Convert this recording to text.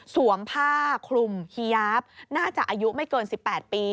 ผ้าคลุมเฮียาฟน่าจะอายุไม่เกิน๑๘ปี